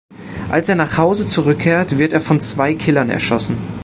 Als er nach Hause zurückkehrt, wird er von zwei Killern erschossen.